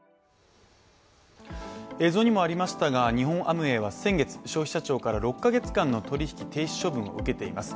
映像にもありましたが日本アムウェイは消費者庁から先月、６か月間の取引停止処分を受けています。